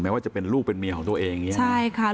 แม้ว่าจะเป็นลูกเป็นเมียของตัวเองใช่ค่ะ